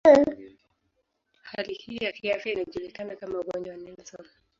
Hali hii ya kiafya inajulikana kama ugonjwa wa Nelson.